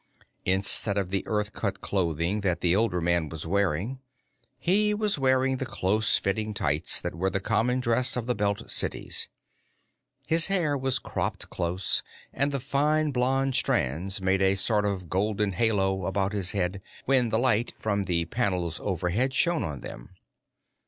Instead of the Earth cut clothing that the older man was wearing, he was wearing the close fitting tights that were the common dress of the Belt cities. His hair was cropped close, and the fine blond strands made a sort of golden halo about his head when the light from the panels overhead shone on them.